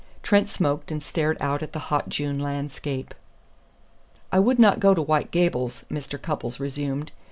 Trent smoked and stared out at the hot June landscape. "I would not go to White Gables," Mr. Cupples resumed.